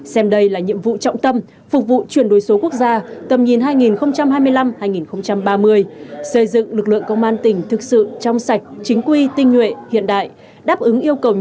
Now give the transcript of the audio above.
xem đây là nhiệm vụ trọng tâm phục vụ chuyển